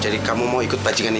jadi kamu mau ikut panjangan ini